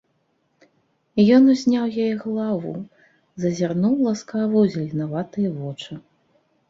Ён узняў яе галаву, зазірнуў ласкава ў зеленаватыя вочы.